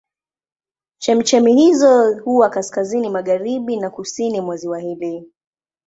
Chemchemi hizo huwa kaskazini magharibi na kusini mwa ziwa hili.